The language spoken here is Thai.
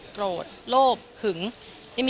ขอเริ่มขออนุญาต